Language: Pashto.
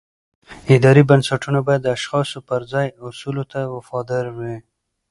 اداري بنسټونه باید د اشخاصو پر ځای اصولو ته وفادار وي